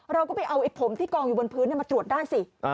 เราก็ไปเอาไอ้ผมที่กองอยู่บนพื้นมาตรวจได้สิ